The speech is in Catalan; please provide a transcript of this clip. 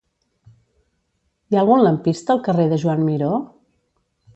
Hi ha algun lampista al carrer de Joan Miró?